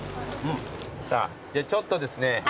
さあじゃあちょっとですね